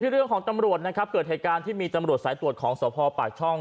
เรื่องของตำรวจนะครับเกิดเหตุการณ์ที่มีตำรวจสายตรวจของสภปากช่อง